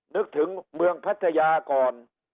นึกถึงเมืองพัทยาก่อน